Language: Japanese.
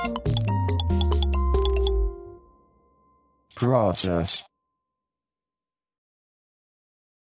プロセス。